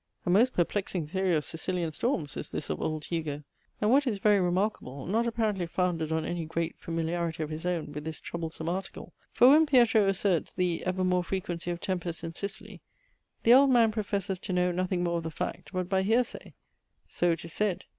A most perplexing theory of Sicilian storms is this of old Hugo! and what is very remarkable, not apparently founded on any great familiarity of his own with this troublesome article. For when Pietro asserts the "ever more frequency" of tempests in Sicily, the old man professes to know nothing more of the fact, but by hearsay. "So it is said."